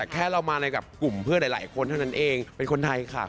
แค่เรามาอะไรกับกลุ่มเพื่อนหลายคนเท่านั้นเองเป็นคนไทยค่ะ